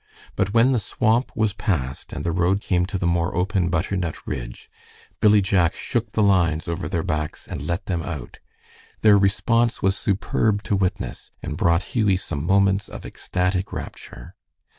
But when the swamp was passed and the road came to the more open butternut ridge, Billy Jack shook the lines over their backs and let them out. Their response was superb to witness, and brought Hughie some moments of ecstatic rapture.